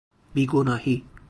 بی گناهی